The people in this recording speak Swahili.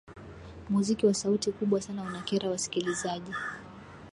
muziki wa sauti kubwa sana unakera wasikilizaji